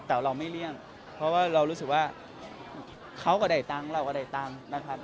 แต่เราไม่เลี่ยงเพราะว่าเรารู้สึกว่าเขาก็ได้ตังค์เราก็ได้ตังค์นะครับ